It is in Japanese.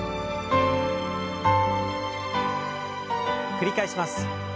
繰り返します。